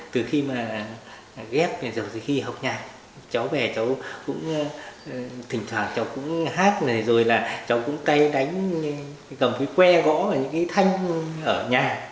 từ khi mà ghép từ khi học nhạc cháu bé cháu cũng thỉnh thoảng cháu cũng hát này rồi là cháu cũng tay đánh gầm cái que gõ và những cái thanh ở nhà